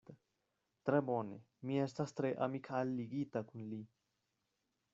Tre bone; mi estas tre amikalligita kun li.